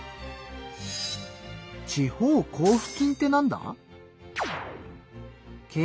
地方交付金ってなんだ？